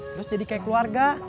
terus jadi kayak keluarga